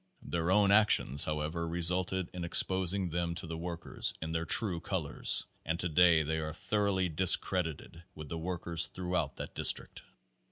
Their own actions, however, resulted in exposing them to the workers in their true colors and today they are thoroughly discredited with the workers throughout that district.